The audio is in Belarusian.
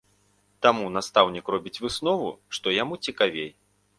Таму настаўнік робіць выснову, што яму цікавей.